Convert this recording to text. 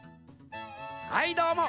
はいどうも。